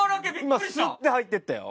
今スッて入っていったよ。